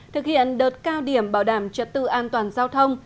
thực hiện đợt cao điểm bảo đảm trật tự an toàn giao thông